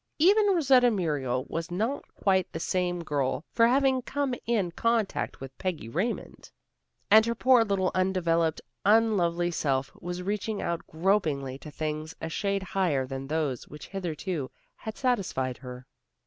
Even Rosetta Muriel was not quite the same girl for having come in contact with Peggy Raymond, and her poor little undeveloped, unlovely self was reaching out gropingly to things a shade higher than those which hitherto had satisfied her.